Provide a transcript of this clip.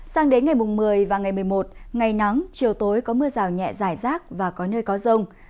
sang đến ngày một mươi và ngày một mươi một ngày nắng chiều tối có mưa rào nhẹ giải rác và có nơi có rông